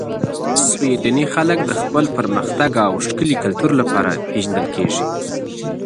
سویدني خلک د خپل پرمختګ او ښکلي کلتور لپاره پېژندل کیږي.